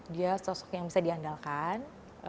dia sosok yang bisa diandalkan